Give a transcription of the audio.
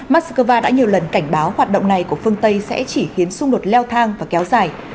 moscow đã nhiều lần cảnh báo hoạt động này của phương tây sẽ chỉ khiến xung đột leo thang và kéo dài